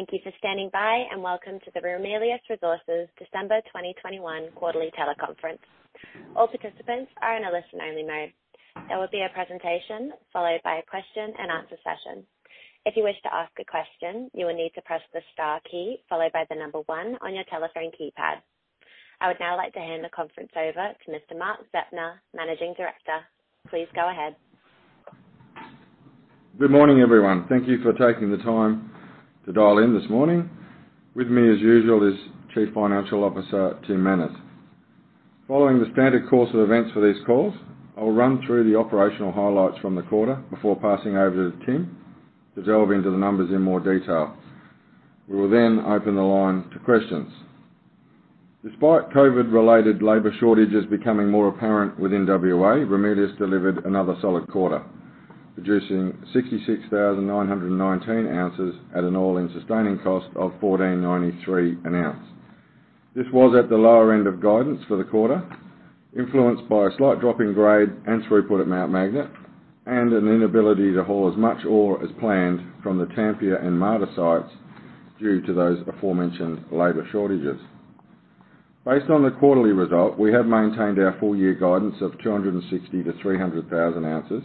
Thank you for standing by, and welcome to the Ramelius Resources December 2021 quarterly teleconference. All participants are in a listen-only mode. There will be a presentation followed by a question and answer session. If you wish to ask a question, you will need to press the star key followed by the number one on your telephone keypad. I would now like to hand the conference over to Mr. Mark Zeptner, Managing Director. Please go ahead. Good morning, everyone. Thank you for taking the time to dial in this morning. With me as usual is Chief Financial Officer Tim Manners. Following the standard course of events for these calls, I will run through the operational highlights from the quarter before passing over to Tim to delve into the numbers in more detail. We will then open the line to questions. Despite COVID-19-related labor shortages becoming more apparent within WA, Ramelius delivered another solid quarter, producing 66,919 ounces at an all-in sustaining cost of 1,493 an ounce. This was at the lower end of guidance for the quarter, influenced by a slight drop in grade and throughput at Mount Magnet and an inability to haul as much ore as planned from the Tampia and Marda sites due to those aforementioned labor shortages. Based on the quarterly result, we have maintained our full year guidance of 260-300 thousand ounces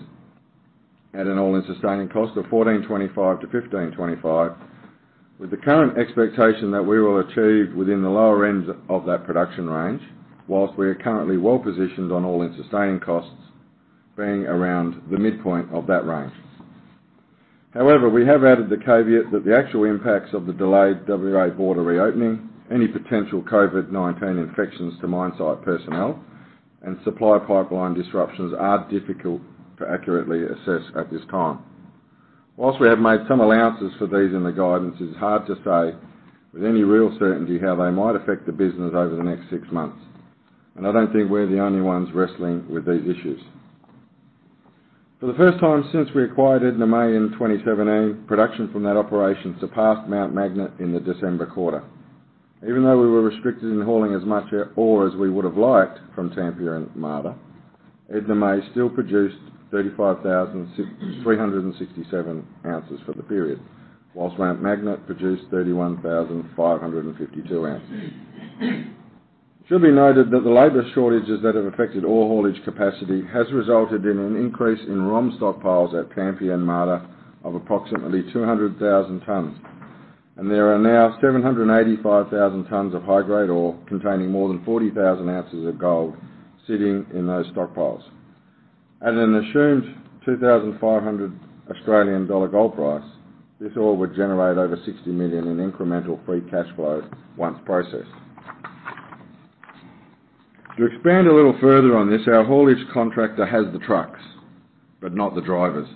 at an all-in sustaining cost of 1,425-1,525, with the current expectation that we will achieve within the lower end of that production range, while we are currently well positioned on all-in sustaining costs being around the midpoint of that range. However, we have added the caveat that the actual impacts of the delayed WA border reopening, any potential COVID-19 infections to mine site personnel, and supply pipeline disruptions are difficult to accurately assess at this time. While we have made some allowances for these in the guidance, it is hard to say with any real certainty how they might affect the business over the next six months, and I don't think we're the only ones wrestling with these issues. For the first time since we acquired Edna May in 2017, production from that operation surpassed Mt. Magnet in the December quarter. Even though we were restricted in hauling as much ore as we would have liked from Tampia and Marda, Edna May still produced 35,667 ounces for the period, while Mt. Magnet produced 31,552 ounces. It should be noted that the labor shortages that have affected all haulage capacity has resulted in an increase in ROM stockpiles at Tampia and Marda of approximately 200,000 tons. There are now 785,000 tons of high-grade ore containing more than 40,000 ounces of gold sitting in those stockpiles. At an assumed 2,500 Australian dollar gold price, this all would generate over 60 million in incremental free cash flow once processed. To expand a little further on this, our haulage contractor has the trucks, but not the drivers.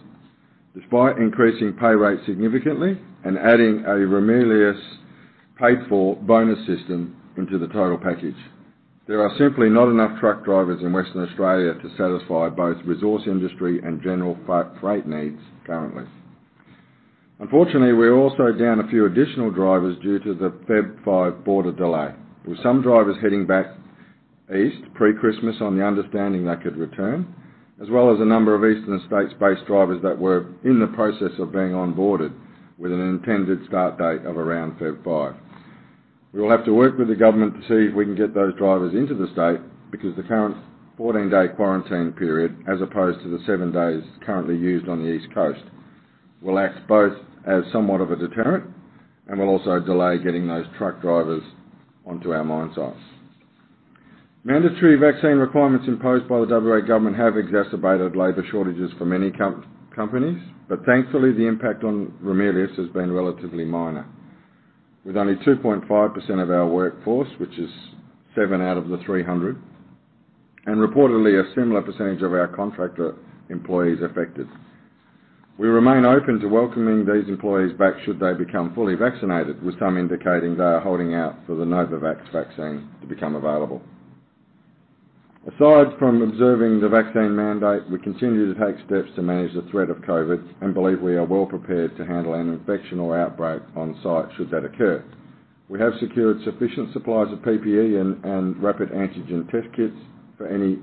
Despite increasing pay rates significantly and adding a Ramelius paid-for bonus system into the total package, there are simply not enough truck drivers in Western Australia to satisfy both resource industry and general freight needs currently. Unfortunately, we're also down a few additional drivers due to the February 5 border delay, with some drivers heading back east pre-Christmas on the understanding they could return, as well as a number of Eastern States-based drivers that were in the process of being onboarded with an intended start date of around February 5. We will have to work with the government to see if we can get those drivers into the state because the current 14-day quarantine period, as opposed to the seven days currently used on the East Coast, will act both as somewhat of a deterrent and will also delay getting those truck drivers onto our mine sites. Mandatory vaccine requirements imposed by the WA government have exacerbated labor shortages for many countless companies, but thankfully, the impact on Ramelius has been relatively minor, with only 2.5% of our workforce, which is seven out of the 300, and reportedly a similar percentage of our contractor employees affected. We remain open to welcoming these employees back should they become fully vaccinated, with some indicating they are holding out for the Novavax vaccine to become available. Aside from observing the vaccine mandate, we continue to take steps to manage the threat of COVID-19 and believe we are well-prepared to handle an infection or outbreak on-site should that occur. We have secured sufficient supplies of PPE and rapid antigen test kits for any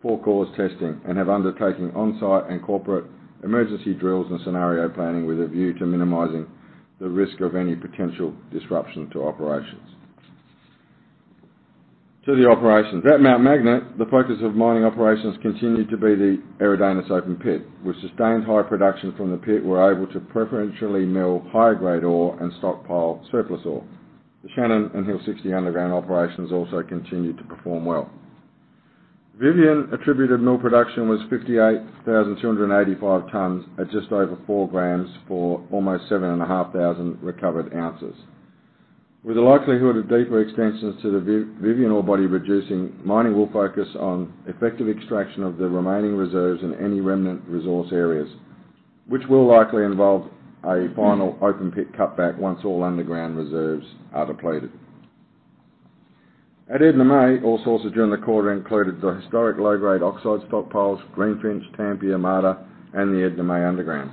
for-cause testing and have undertaken on-site and corporate emergency drills and scenario planning with a view to minimizing the risk of any potential disruption to operations. At Mt Magnet, the focus of mining operations continued to be the Eridanus open pit. With sustained high production from the pit, we're able to preferentially mill higher-grade ore and stockpile surplus ore. The Shannon and Hill Sixty underground operations also continued to perform well. Vivian attributable mill production was 58,285 tons at just over four grams for almost 7,500 recovered ounces. With the likelihood of deeper extensions to the Vivian ore body reducing, mining will focus on effective extraction of the remaining reserves in any remnant resource areas, which will likely involve a final open pit cutback once all underground reserves are depleted. At Edna May, all sources during the quarter included the historic low-grade oxide stockpiles, Greenfinch, Tampia, Marda, and the Edna May underground.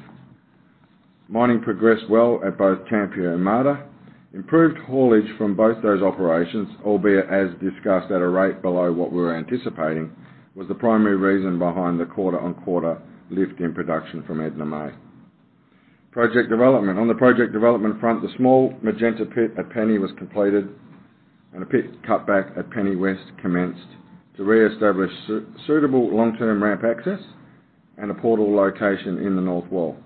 Mining progressed well at both Tampia and Marda. Improved haulage from both those operations, albeit as discussed at a rate below what we're anticipating, was the primary reason behind the quarter-over-quarter lift in production from Edna May. Project development. On the project development front, the small Magenta pit at Penny was completed, and a pit cut back at Penny West commenced to reestablish suitable long-term ramp access and a portal location in the north wall.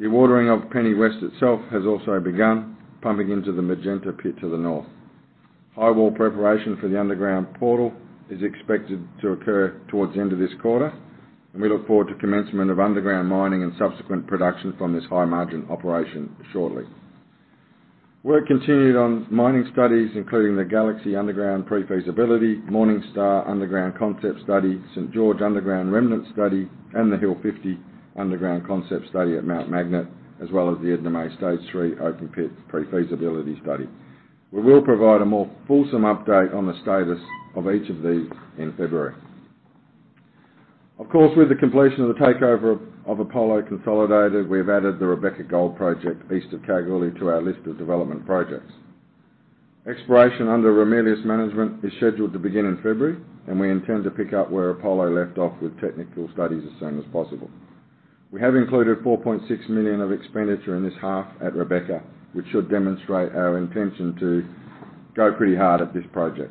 The ordering of Penny West itself has also begun pumping into the Mt Magnet pit to the north. Highwall preparation for the underground portal is expected to occur towards the end of this quarter, and we look forward to commencement of underground mining and subsequent production from this high-margin operation shortly. Work continued on mining studies, including the Galaxy underground pre-feasibility, Morning Star underground concept study, St. George underground remnant study, and the Hill 50 underground concept study at Mt Magnet, as well as the Edna May Stage 3 open pit pre-feasibility study. We will provide a more fulsome update on the status of each of these in February. Of course, with the completion of the takeover of Apollo Consolidated, we have added the Rebecca Gold Project east of Kalgoorlie to our list of development projects. Exploration under Ramelius management is scheduled to begin in February, and we intend to pick up where Apollo left off with technical studies as soon as possible. We have included 4.6 million of expenditure in this half at Rebecca, which should demonstrate our intention to go pretty hard at this project.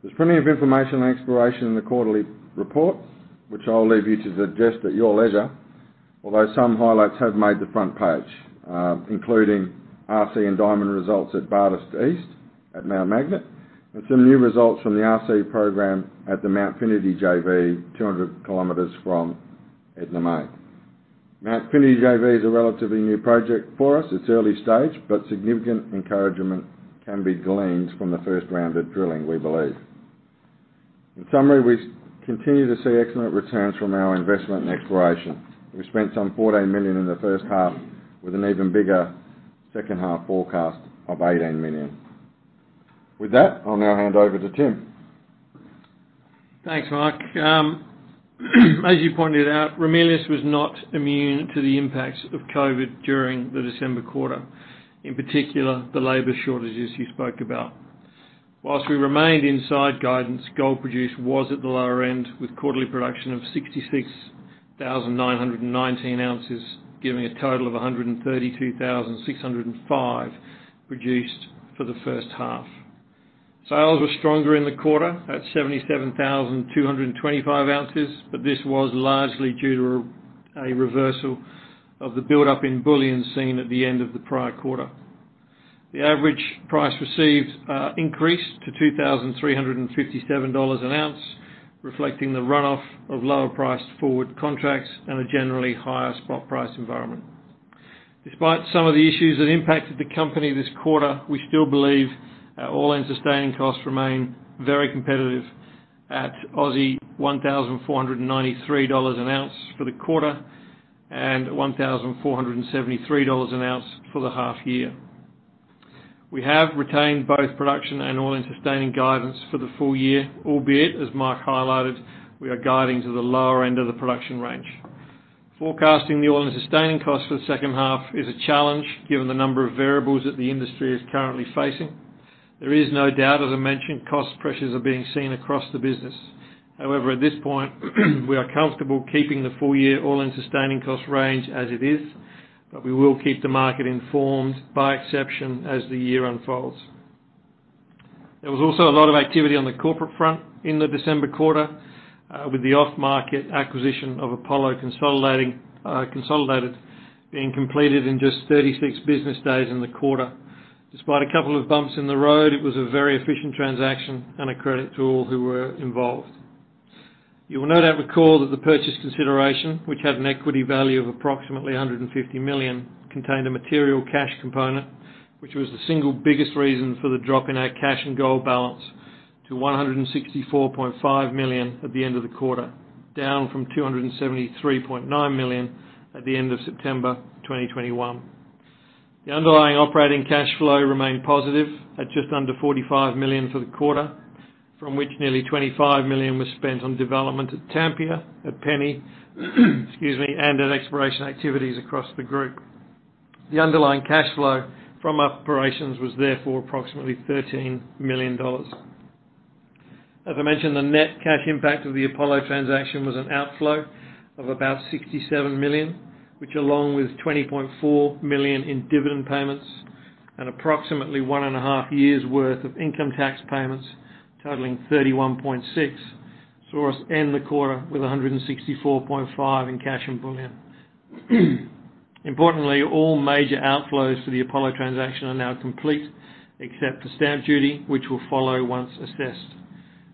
There's plenty of information and exploration in the quarterly report, which I'll leave you to digest at your leisure. Although some highlights have made the front page, including RC and diamond results at Bartus East at Mt Magnet, and some new results from the RC program at the Mt Finnerty JV, 200 km from Edna May. Mt Finnerty JV is a relatively new project for us. It's early stage, but significant encouragement can be gleaned from the first round of drilling, we believe. In summary, we continue to see excellent returns from our investment in exploration. We spent some 14 million in the first half with an even bigger second-half forecast of 18 million. With that, I'll now hand over to Tim. Thanks, Mark. As you pointed out, Ramelius was not immune to the impacts of COVID during the December quarter, in particular, the labor shortages you spoke about. While we remained inside guidance, gold produced was at the lower end, with quarterly production of 66,919 ounces, giving a total of 132,605 produced for the first half. Sales were stronger in the quarter at 77,225 ounces, but this was largely due to a reversal of the buildup in bullion seen at the end of the prior quarter. The average price received increased to 2,357 dollars an ounce, reflecting the runoff of lower-priced forward contracts and a generally higher spot price environment. Despite some of the issues that impacted the company this quarter, we still believe our all-in sustaining costs remain very competitive at 1,493 Aussie dollars an ounce for the quarter and 1,473 dollars an ounce for the half year. We have retained both production and all-in sustaining guidance for the full year, albeit, as Mark highlighted, we are guiding to the lower end of the production range. Forecasting the all-in sustaining costs for the second half is a challenge, given the number of variables that the industry is currently facing. There is no doubt, as I mentioned, cost pressures are being seen across the business. However, at this point, we are comfortable keeping the full year all-in sustaining cost range as it is, but we will keep the market informed by exception as the year unfolds. There was also a lot of activity on the corporate front in the December quarter, with the off-market acquisition of Apollo Consolidated being completed in just 36 business days in the quarter. Despite a couple of bumps in the road, it was a very efficient transaction and a credit to all who were involved. You will no doubt recall that the purchase consideration, which had an equity value of approximately 150 million, contained a material cash component, which was the single biggest reason for the drop in our cash and gold balance to 164.5 million at the end of the quarter, down from 273.9 million at the end of September 2021. The underlying operating cash flow remained positive at just under 45 million for the quarter, from which nearly 25 million was spent on development at Tampia and at exploration activities across the group. The underlying cash flow from operations was therefore approximately 13 million dollars. As I mentioned, the net cash impact of the Apollo transaction was an outflow of about 67 million, which along with 20.4 million in dividend payments and approximately one and a half years worth of income tax payments totaling 31.6 million, saw us end the quarter with 164.5 million in cash and bullion. Importantly, all major outflows for the Apollo transaction are now complete, except for stamp duty, which will follow once assessed.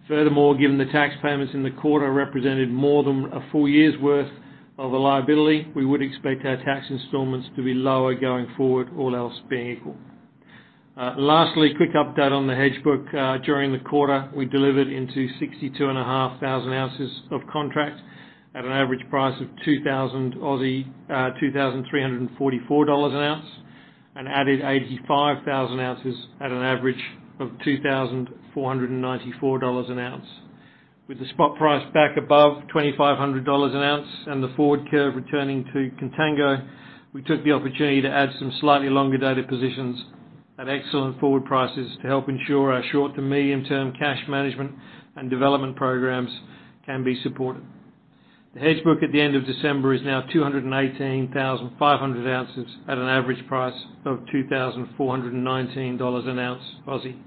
Furthermore, given the tax payments in the quarter represented more than a full year's worth of a liability, we would expect our tax installments to be lower going forward, all else being equal. Lastly, quick update on the hedge book. During the quarter, we delivered into 62,500 ounces of contract at an average price of 2,344 Aussie dollars an ounce and added 85,000 ounces at an average of 2,494 dollars an ounce. With the spot price back above 2,500 dollars an ounce and the forward curve returning to contango, we took the opportunity to add some slightly longer-dated positions at excellent forward prices to help ensure our short to medium-term cash management and development programs can be supported. The hedge book at the end of December is now 218,500 ounces at an average price of 2,419 dollars an ounce Aussie.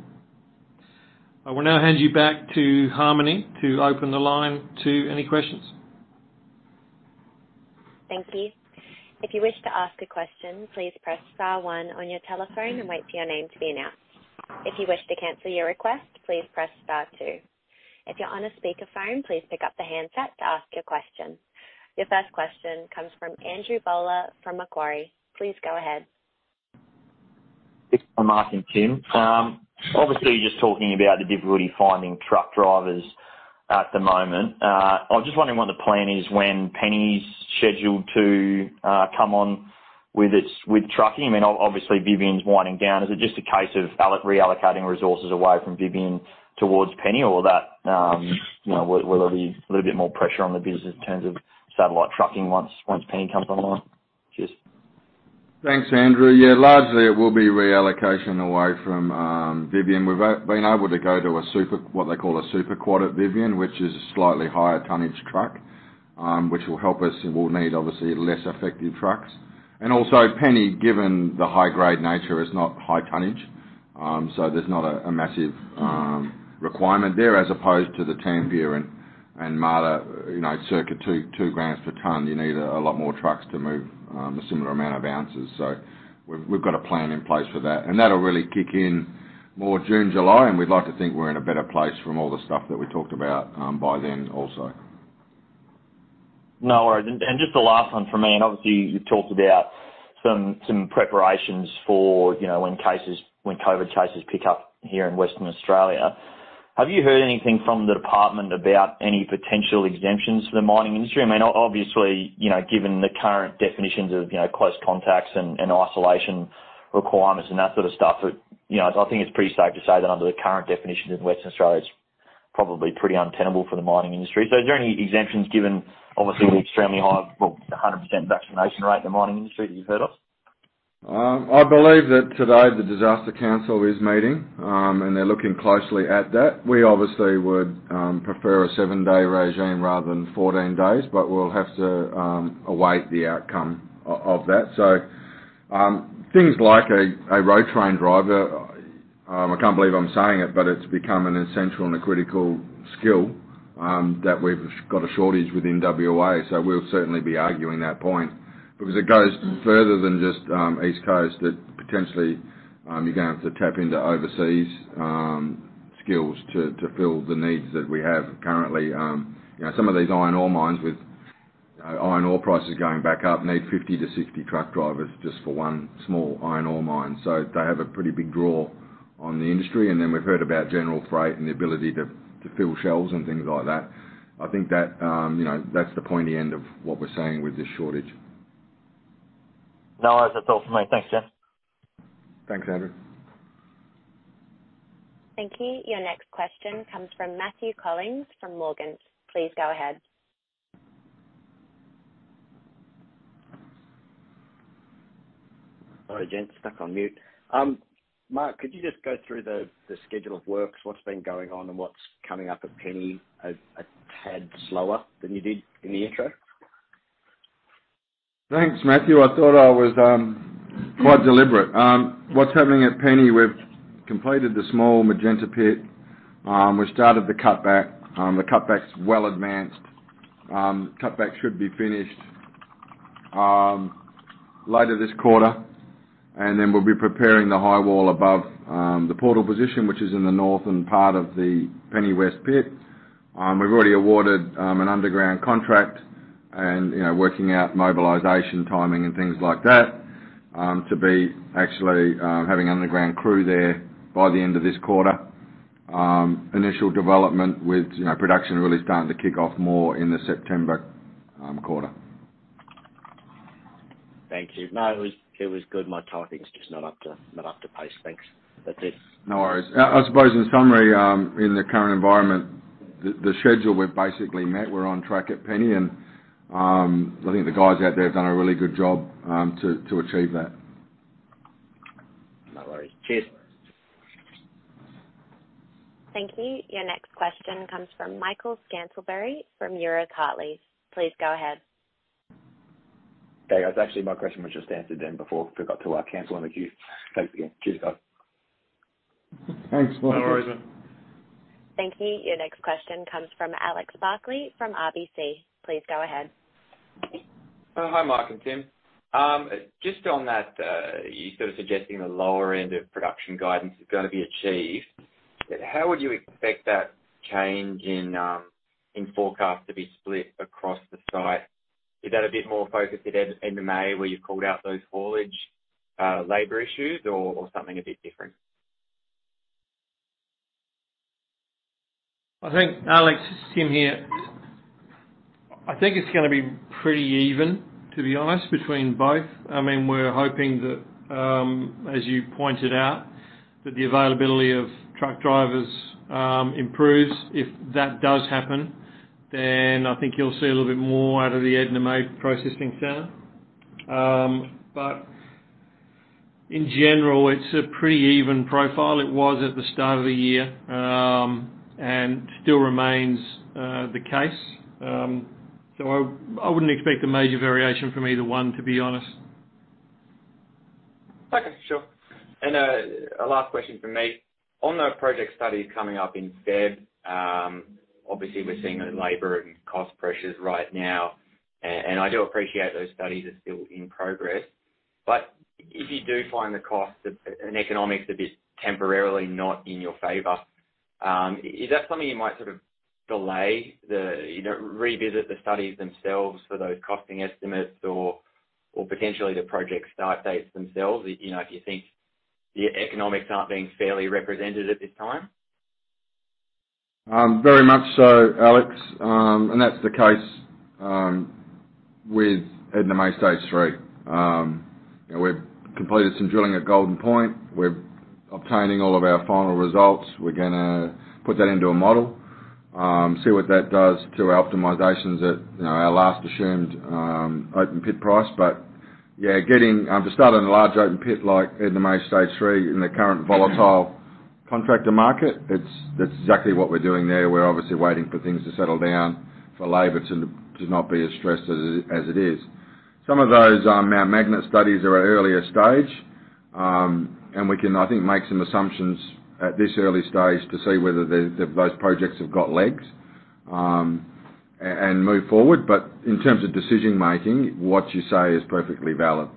I will now hand you back to Harmony to open the line to any questions. Thank you. If you wish to ask a question, please press star one on your telephone and wait for your name to be announced. If you wish to cancel your request, please press star two. If you're on a speakerphone, please pick up the handset to ask your question. Your first question comes from Andrew Bowler from Macquarie. Please go ahead. Thanks for taking, Tim. Obviously, you're just talking about the difficulty finding truck drivers at the moment. I was just wondering what the plan is when Penny's scheduled to come on with its—with trucking. I mean, obviously, Vivian's winding down. Is it just a case of reallocating resources away from Vivian towards Penny or that, you know, will there be a little bit more pressure on the business in terms of satellite trucking once Penny comes online? Cheers. Thanks, Andrew. Yeah, largely, it will be reallocation away from Vivian. We've been able to go to a super what they call a super quad at Vivian, which is a slightly higher tonnage truck, which will help us. We'll need, obviously, fewer trucks. Also Penny, given the high-grade nature, is not high tonnage. There's not a massive requirement there as opposed to the Tampia and Marda, you know, circa two grams per ton. You need a lot more trucks to move a similar amount of ounces. We've got a plan in place for that. That'll really kick in more June, July, and we'd like to think we're in a better place from all the stuff that we talked about by then also. No worries. Just the last one from me. Obviously, you talked about some preparations for, you know, when COVID-19 cases pick up here in Western Australia. Have you heard anything from the department about any potential exemptions for the mining industry? I mean, obviously, you know, given the current definitions of, you know, close contacts and isolation requirements and that sort of stuff, but, you know, I think it's pretty safe to say that under the current definitions in Western Australia, it's probably pretty untenable for the mining industry. Is there any exemptions given obviously the extremely high, well, 100% vaccination rate in the mining industry that you've heard of? I believe that today the disaster council is meeting, and they're looking closely at that. We obviously would prefer a seven-day regime rather than 14 days, but we'll have to await the outcome of that. Things like a road train driver, I can't believe I'm saying it, but it's become an essential and a critical skill that we've got a shortage within WA, so we'll certainly be arguing that point. Because it goes further than just East Coast that potentially you're going to have to tap into overseas skills to fill the needs that we have currently. You know, some of these iron ore mines with iron ore prices going back up need 50-60 truck drivers just for one small iron ore mine. They have a pretty big draw on the industry. We've heard about general freight and the ability to fill shells and things like that. I think that, you know, that's the pointy end of what we're saying with this shortage. No, that's all for me. Thanks, Tim. Thanks, Andrew. Thank you. Your next question comes from Matthew Collings from Morgan. Please go ahead. Sorry, gents. Stuck on mute. Mark, could you just go through the schedule of works, what's been going on, and what's coming up at Penny, a tad slower than you did in the intro? Thanks, Matthew. I thought I was quite deliberate. What's happening at Penny, we've completed the small Mt Magnet pit. We started the cutback. The cutback's well advanced. Cutback should be finished later this quarter, and then we'll be preparing the high wall above the portal position, which is in the northern part of the Penny West pit. We've already awarded an underground contract and, you know, working out mobilization, timing, and things like that, to be actually having underground crew there by the end of this quarter. Initial development with, you know, production really starting to kick off more in the September quarter. Thank you. No, it was good. My typing's just not up to pace. Thanks. That's it. No worries. I suppose in summary, in the current environment, the schedule we've basically met, we're on track at Penny and, I think the guys out there have done a really good job to achieve that. No worries. Cheers. Thank you. Your next question comes from Michael Scantlebury from Euroz Hartleys. Please go ahead. Hey, guys. Actually, my question was just answered then before it got to our turn in the queue. Thanks again. Cheers, guys. Thanks, Michael. No worries, man. Thank you. Your next question comes from Alex Barkley from RBC. Please go ahead. Oh, hi, Mark and Tim. Just on that, you sort of suggesting the lower end of production guidance is gonna be achieved. How would you expect that change in forecast to be split across the site? Is that a bit more focused at Mt Magnet where you've called out those haulage, labor issues or something a bit different? I think, Alex, Tim here. I think it's gonna be pretty even, to be honest, between both. I mean, we're hoping that, as you pointed out, that the availability of truck drivers improves. If that does happen, then I think you'll see a little bit more out of the Edna May processing center. In general, it's a pretty even profile. It was at the start of the year, and still remains the case. I wouldn't expect a major variation from either one, to be honest. Okay. Sure. A last question from me. On the project studies coming up in February, obviously we're seeing the labor and cost pressures right now. I do appreciate those studies are still in progress. If you do find the cost or the economics a bit temporarily not in your favor, is that something you might sort of delay the, you know, revisit the studies themselves for those costing estimates or potentially the project start dates themselves, you know, if you think the economics aren't being fairly represented at this time? Very much so, Alex. That's the case with Edna May Stage 3. We've completed some drilling at Golden Point. We're obtaining all of our final results. We're gonna put that into a model, see what that does to our optimizations at, you know, our last assumed open pit price. Yeah, getting to start in a large open pit like Edna May Stage 3 in the current volatile contractor market, that's exactly what we're doing there. We're obviously waiting for things to settle down, for labor to not be as stressed as it is. Some of those Mt Magnet studies are at earlier stage, and we can, I think, make some assumptions at this early stage to see whether those projects have got legs, and move forward. In terms of decision-making, what you say is perfectly valid.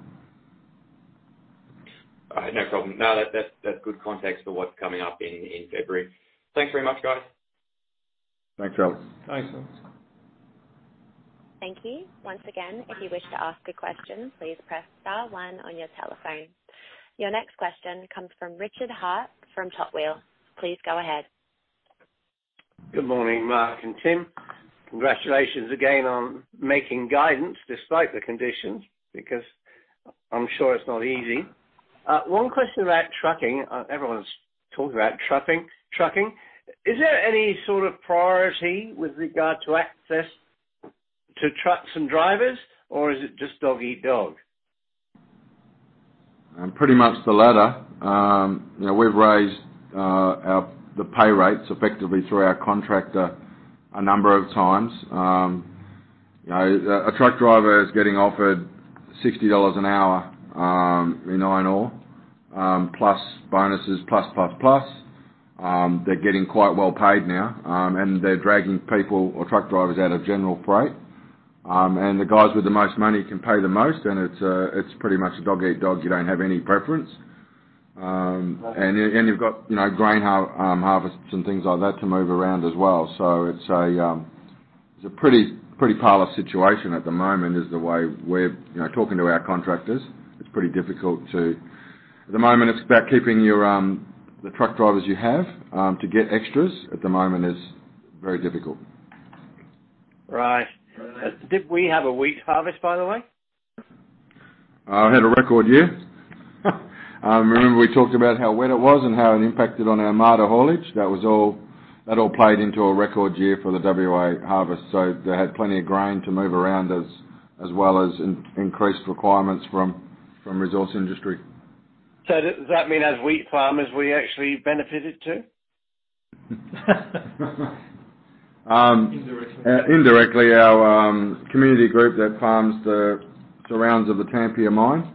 All right. No problem. No, that's good context for what's coming up in February. Thanks very much, guys. Thanks, Alex. Thanks, Alex. Thank you. Once again, if you wish to ask a question, please press star one on your telephone. Your next question comes from Richard Hart from Top Wheel. Please go ahead. Good morning, Mark and Tim. Congratulations again on making guidance despite the conditions, because I'm sure it's not easy. One question about trucking. Everyone's talked about trucking. Is there any sort of priority with regard to access to trucks and drivers, or is it just dog eat dog? Pretty much the latter. You know, we've raised our pay rates effectively through our contractor a number of times. You know, a truck driver is getting offered 60 dollars an hour in iron ore, plus bonuses, plus. They're getting quite well paid now, and they're dragging people or truck drivers out of general freight. And the guys with the most money can pay the most, and it's pretty much dog eat dog. You don't have any preference. And you've got, you know, grain harvests and things like that to move around as well. It's a pretty palaver situation at the moment is the way we're, you know, talking to our contractors. It's pretty difficult to... At the moment it's about keeping your, the truck drivers you have. To get extras at the moment is very difficult. Right. Did we have a weak harvest, by the way? We had a record year. Remember we talked about how wet it was and how it impacted on our Marda haulage. That all played into a record year for the WA harvest. They had plenty of grain to move around as well as increased requirements from resource industry. Does that mean as wheat farmers, we actually benefited too? Indirectly. Indirectly. Our community group that farms the rounds of the Tampia Mine.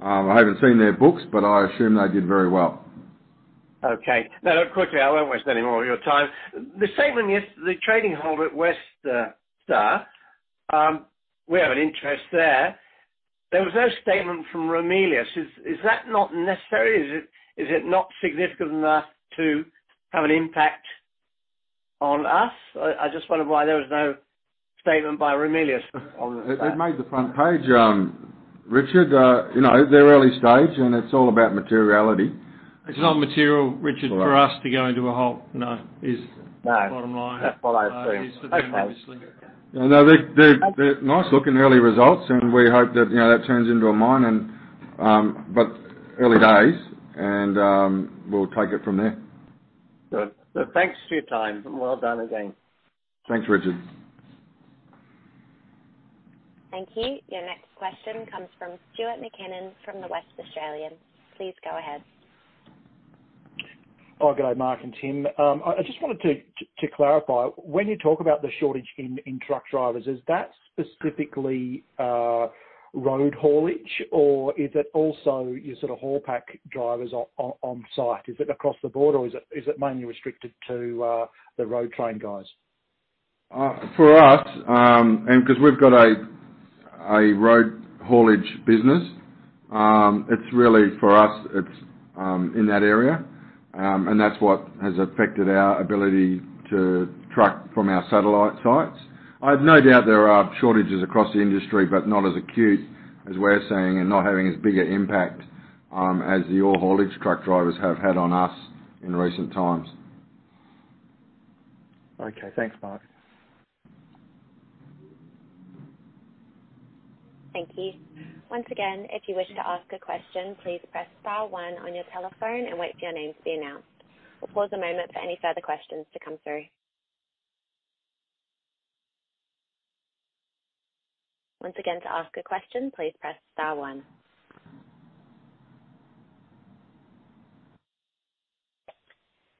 I haven't seen their books, but I assume they did very well. Okay. No, quickly, I won't waste any more of your time. The statement is the trading halt at Westar, we have an interest there. There was no statement from Ramelius. Is that not necessary? Is it not significant enough to have an impact on us? I just wondered why there was no statement by Ramelius on that. It made the front page, Richard. You know, they're early stage, and it's all about materiality. It's not material, Richard. All right. -for us to go into a whole... No. Is- No. bottom line. That's what I assumed. Okay. Is for the. No, they're nice-looking early results, and we hope that, you know, that turns into a mine and, but early days, and we'll take it from there. Good. Thanks for your time, and well done again. Thanks, Richard. Thank you. Your next question comes from Stuart McKinnon from The West Australian. Please go ahead. Oh, g'day, Mark and Tim. I just wanted to clarify, when you talk about the shortage in truck drivers, is that specifically road haulage or is it also your sort of Haulpak drivers on site? Is it across the board or is it mainly restricted to the road train guys? For us, and because we've got a road haulage business, it's really for us in that area. That's what has affected our ability to truck from our satellite sites. I've no doubt there are shortages across the industry, but not as acute as we're seeing and not having as big an impact as the ore haulage truck drivers have had on us in recent times. Okay. Thanks, Mark. Thank you. Once again, if you wish to ask a question, please press star one on your telephone and wait for your name to be announced. We'll pause a moment for any further questions to come through. Once again, to ask a question, please press star one.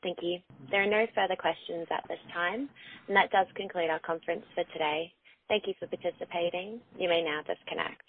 Thank you. There are no further questions at this time, and that does conclude our conference for today. Thank you for participating. You may now disconnect.